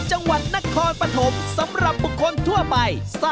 จังหวัดนครปฐมสำหรับบุคคลทั่วไป